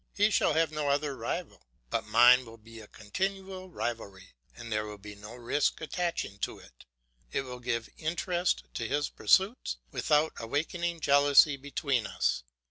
He shall have no other rival; but mine will be a continual rivalry, and there will be no risk attaching to it; it will give interest to his pursuits without awaking jealousy between us.